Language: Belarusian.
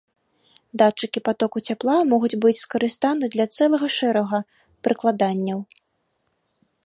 Датчыкі патоку цяпла могуць быць скарыстаны для цэлага шэрага прыкладанняў.